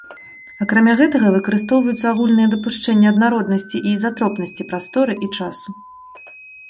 Акрамя гэтага выкарыстоўваюцца агульныя дапушчэнні аднароднасці і ізатропнасці прасторы і часу.